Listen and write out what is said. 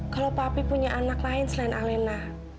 kalau papi punya anak lain selain alena